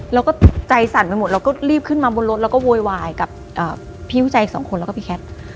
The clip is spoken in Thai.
เราก็ใจสั่นไปหมดเราก็รีบขึ้นมาบนรถแล้วก็โวยวายกับพี่ผู้ชายอีกสองคนแล้วก็พี่แคท